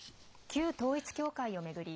旧統一教会を巡り